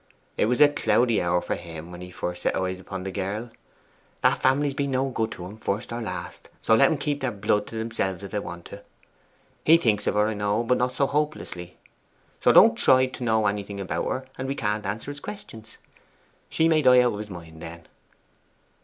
It was a cloudy hour for him when he first set eyes upon the girl. That family's been no good to him, first or last; so let them keep their blood to themselves if they want to. He thinks of her, I know, but not so hopelessly. So don't try to know anything about her, and we can't answer his questions. She may die out of his mind then.